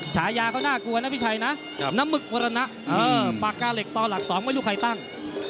ฉายาเขาน่ากลัวนะพี่ชัยนะน้ำหมึกมรณะปากกาเหล็กต่อหลัก๒ไม่รู้ใครตั้ง